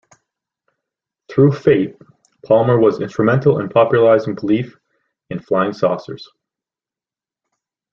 Through "Fate", Palmer was instrumental in popularizing belief in flying saucers.